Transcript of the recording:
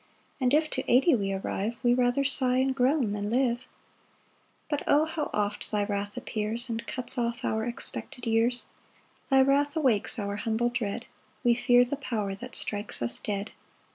And if to eighty we arrive, We rather sigh and groan than live. 7 But O how oft thy wrath appears, And cuts off our expected years! Thy wrath awakes our humble dread; We fear the power that strikes us dead.